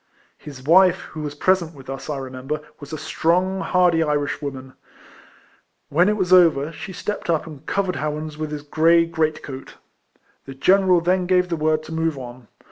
His wife, who was ])resent with us, I remember, was a strong, hardy Irishwoman. AVhen it was over, she stepped up and covered Howans with his grey great coat. The general then gave the word to move on.